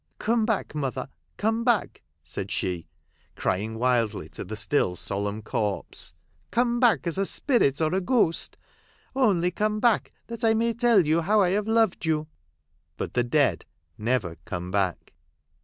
" Come back, mother ! Come back," said she, crying wildly to the still, solemn corpse ; 208 HOUSEHOLD WORDS. [Conducted by " come back as a spirit or a ghost — only come back, that I may tell you how I have loved you." But the dead never come back.